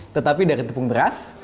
tetapi dari tepung beras